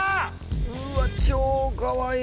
うわ超かわいい。